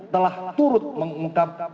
telah turut mengungkap